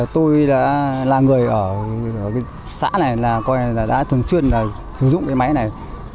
tôi là người ở xã này đã thường xuyên sử dụng cái máy này